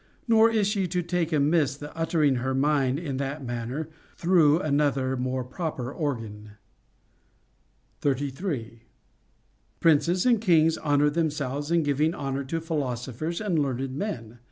Nor is she to take amiss the uttering her mind in that manner, through another more proper organ. 33. Princes and kings honor themselves in giving honor to philosophers and learned men.